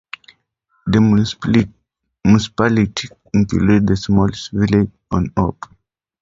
The municipality includes the small village of Olp.